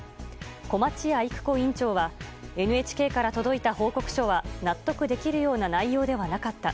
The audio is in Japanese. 小町谷育子委員長はＮＨＫから届いた報告書は納得できるような内容ではなかった。